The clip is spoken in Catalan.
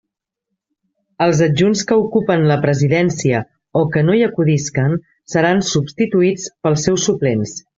Els adjunts que ocupen la presidència o que no hi acudisquen seran substituïts pels seus suplents.